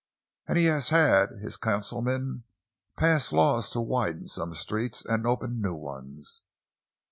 And he has had his councilmen pass laws to widen some streets and open new ones.